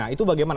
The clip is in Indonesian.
nah itu bagaimana